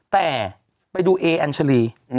แต่ไปดูเออัญชาลี